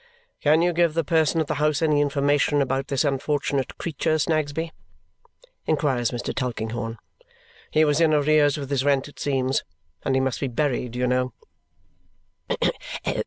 "Can you give the person of the house any information about this unfortunate creature, Snagsby?" inquires Mr. Tulkinghorn. "He was in arrears with his rent, it seems. And he must be buried, you know."